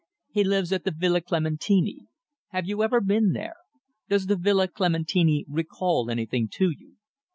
"He lives at the Villa Clementini. Have you ever been there? Does the Villa Clementini recall anything to you?"